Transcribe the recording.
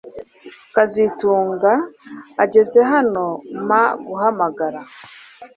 kazitunga ageze hano mpa guhamagara